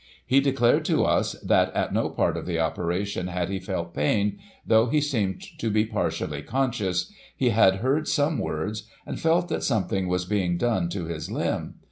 He declared to us that at no part of the operation had he felt pain, though he seemed to be partially conscious ; he had heard some words, and felt that something Wcis being done to his limb.